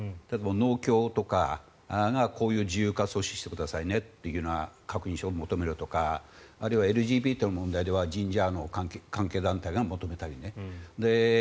農協とかがこういう自由化を阻止してくださいねとか確認書を求めるとかあるいはＬＧＢＴの問題では神社の関係団体が求めたり。